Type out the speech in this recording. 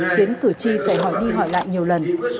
khiến cử tri phải hỏi đi hỏi lại nhiều lần